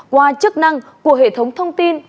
qua chức năng của hệ thống thông tin